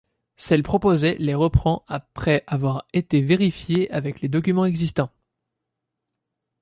Celle proposée les reprend après avoir été vérifiée avec les documents existants.